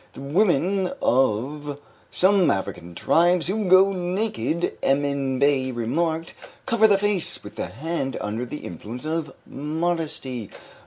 The women of some African tribes who go naked, Emin Bey remarked, cover the face with the hand under the influence of modesty.